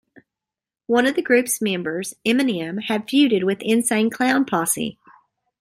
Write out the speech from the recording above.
One of the group's members, Eminem, had feuded with Insane Clown Posse.